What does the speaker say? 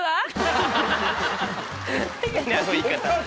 あの言い方。